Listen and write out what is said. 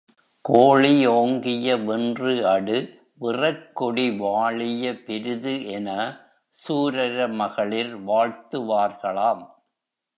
கோழி ஓங்கிய வென்றுஅடு விறற்கொடி வாழிய பெரிது என சூரர மகளிர் வாழ்த்துவார்களாம்.